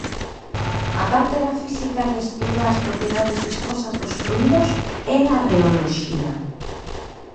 A parte da física que estuda as propiedades viscosas dos fluídos é a reoloxía.